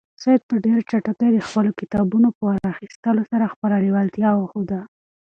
سعید په ډېرې چټکۍ د خپلو کتابونو په راخیستلو سره خپله لېوالتیا وښوده.